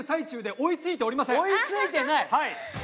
追いついてない？